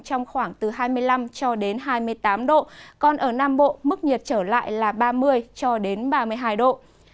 trong khoảng từ hai mươi năm cho đến hai mươi tám độ còn ở nam bộ mức nhiệt trở lại là ba mươi cho đến ba mươi hai độ